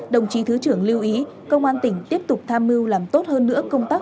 đồng chí thứ trưởng lưu ý công an tỉnh tiếp tục tham mưu làm tốt hơn nữa công tác